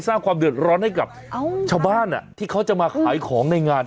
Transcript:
สร้างความเดือดร้อนให้กับชาวบ้านที่เขาจะมาขายของในงาน